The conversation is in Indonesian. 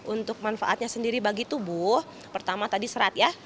untuk manfaatnya sendiri bagi tubuh pertama tadi serat ya